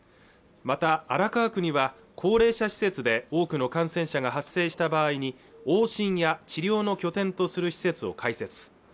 また荒川区には高齢者施設で多くの感染者が発生した場合に往診や治療の拠点とする施設を開設